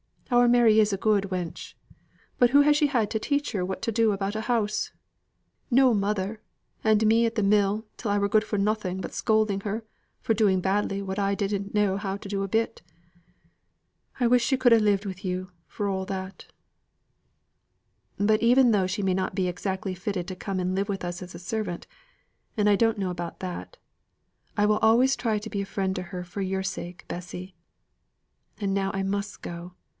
Our Mary's a good wench; but who has she had to teach her what to do about a house? No mother, and me at the mill till I was good for nothing but scolding her for doing badly what I didn't know how to do a bit. But I wish she could ha' lived wi' yo', for all that." "But even though she may not be exactly fitted to come and live with us as a servant and I don't know about that I will always try to be a friend to her for your sake, Bessy. And now I must go.